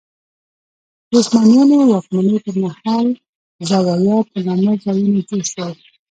د عثمانیانو واکمنۍ پر مهال زوايا په نامه ځایونه جوړ شول.